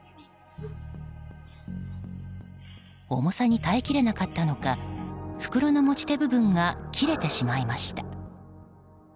重さに耐えきれなかったのか袋の持ち手部分が切れてしまいました。